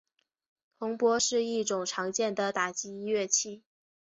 铜钹是一种常见的打击乐器。